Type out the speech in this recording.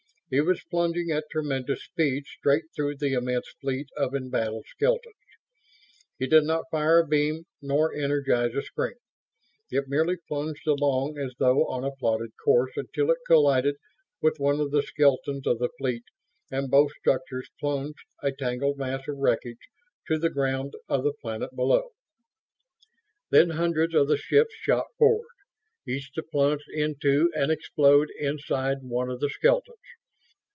It was plunging at tremendous speed straight through the immense fleet of embattled skeletons. It did not fire a beam nor energize a screen; it merely plunged along as though on a plotted course until it collided with one of the skeletons of the fleet and both structures plunged, a tangled mass of wreckage, to the ground of the planet below. Then hundreds of the ships shot forward, each to plunge into and explode inside one of the skeletons.